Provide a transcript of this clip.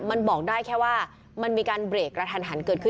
มันบอกได้แค่ว่ามันมีการเบรกกระทันหันเกิดขึ้น